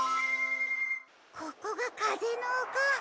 ここがかぜのおか。